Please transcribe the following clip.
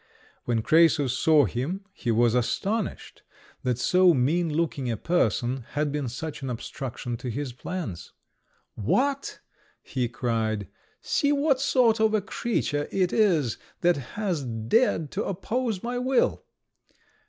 When Crœsus saw him, he was astonished that so mean looking a person had been such an obstruction to his plans. "What!" he cried, "see what sort of a creature it is that has dared to oppose my will!"